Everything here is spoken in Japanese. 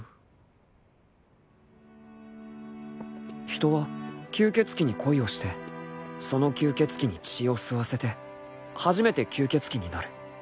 ［人は吸血鬼に恋をしてその吸血鬼に血を吸わせて初めて吸血鬼になる］